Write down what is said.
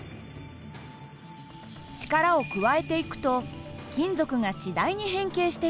力を加えていくと金属が次第に変形していきます。